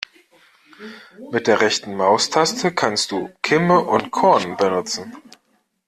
Mit der rechten Maustaste kannst du Kimme und Korn benutzen.